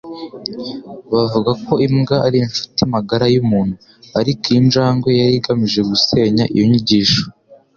Bavuga ko imbwa ari inshuti magara yumuntu, ariko iyi njangwe yari igamije gusenya iyo nyigisho.